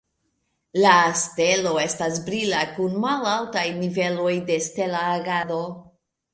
La stelo estas brila kun malaltaj niveloj de stela agado.